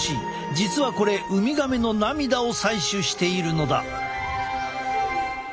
実はこれウミガメの涙を採取しているのだ。